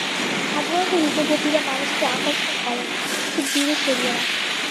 সাধারণত রূপবতীরা মানুষকে আকর্ষণ করে না- একটু দূরে সরিয়ে রাখে।